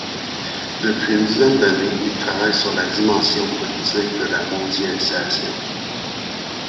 Depuis une dizaine d'années, il travaille sur la dimension politique de la mondialisation.